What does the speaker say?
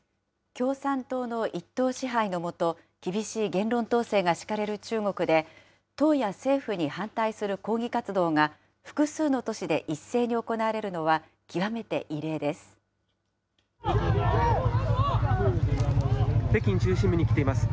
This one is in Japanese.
共産党の一党支配の下、厳しい言論統制が敷かれる中国で、党や政府に反対する抗議活動が複数の都市で一斉に行われるのは、極めて異例です。